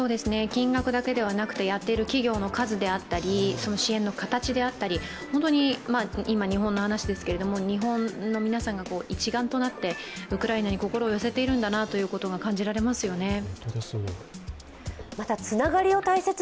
金額だけではなくてやっている企業の数であったり支援の形であったり、今、日本の話ですけれども、日本の皆さんが一丸となってウクライナに心を寄せているんだなというのが感じられますよね。